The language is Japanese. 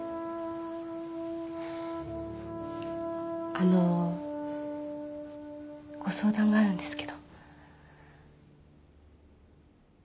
あのご相談があるんですけど。